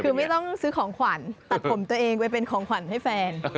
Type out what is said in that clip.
คือไม่ต้องซื้อของขวัญตัดผมตัวเองไปเป็นของขวัญให้แฟน